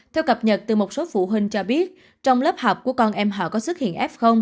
theo cập nhật từ một số phụ huynh cho biết trong lớp học của con em họ có xuất hiện f